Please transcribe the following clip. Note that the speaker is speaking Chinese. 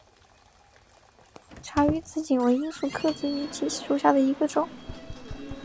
察隅紫堇为罂粟科紫堇属下的一个种。